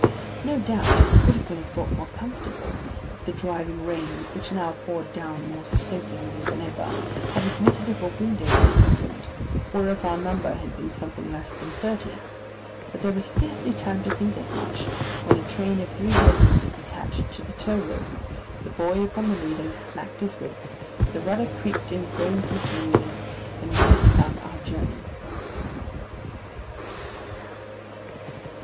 No doubt it would have been a thought more comfortable if the driving rain, which now poured down more soakingly than ever, had admitted of a window being opened, or if our number had been something less than thirty; but there was scarcely time to think as much, when a train of three horses was attached to the tow rope, the boy upon the leader smacked his whip, the rudder creaked and groaned complainingly, and we had begun our journey.